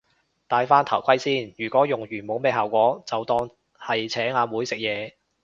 戴返頭盔先，如果用完冇咩效果就當係請阿妹食嘢